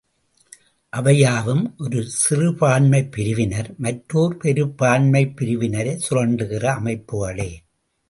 அவையாவும் ஒரு சிறுபான்மைப் பிரிவினர், மற்றோர் பெரும்பான்மைப் பிரிவினரை சுரண்டுகிற அமைப்புக்களே.